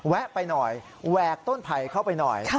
ไปหน่อยแหวกต้นไผ่เข้าไปหน่อย